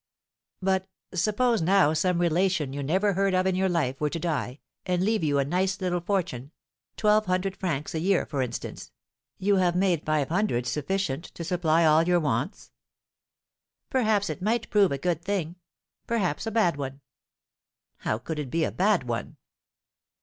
"But, suppose now some relation you never heard of in your life were to die, and leave you a nice little fortune twelve hundred francs a year, for instance you have made five hundred sufficient to supply all your wants?" "Perhaps it might prove a good thing; perhaps a bad one." "How could it be a bad one?"